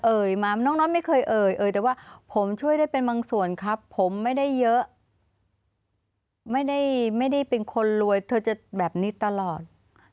มาน้องน้อยไม่เคยเอ่ยเอ่ยแต่ว่าผมช่วยได้เป็นบางส่วนครับผมไม่ได้เยอะไม่ได้ไม่ได้เป็นคนรวยเธอจะแบบนี้ตลอด